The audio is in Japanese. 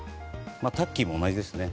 タッキーも同じですね。